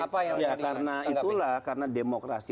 karena itulah karena demokrasi